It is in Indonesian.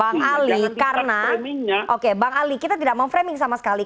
bang ali karena oke bang ali kita tidak mau framing sama sekali